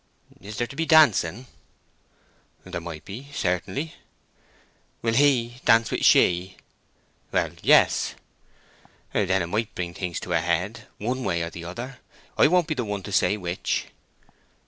"Is there to be dancing?" "There might be, certainly." "Will He dance with She?" "Well, yes." "Then it might bring things to a head, one way or the other; I won't be the one to say which."